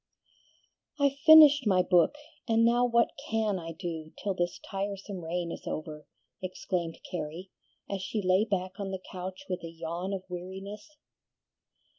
"I'VE finished my book, and now what CAN I do till this tiresome rain is over?" exclaimed Carrie, as she lay back on the couch with a yawn of weariness.